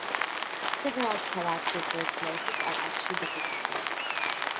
Several palazzi at both places are attributed to him.